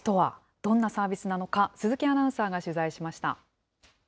どんなサービスなのか、鈴木アナウンサーが取材しました。